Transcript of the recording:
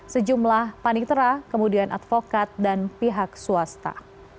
sejumlah panik terah kemudian advokat dan pihak swasta